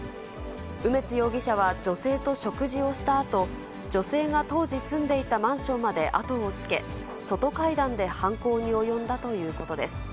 梅津容疑者は女性と食事をしたあと、女性が当時住んでいたマンションまで後をつけ、外階段で犯行に及んだということです。